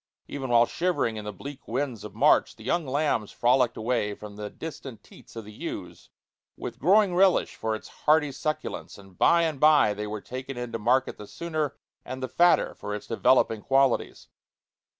Even while shivering in the bleak winds of March, the young lambs frolicked away from the distent teats of the ewes, with growing relish for its hardy succulence, and by and by they were taken into market the sooner and the fatter for its developing qualities.